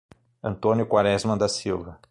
Antônio Quaresma da Silva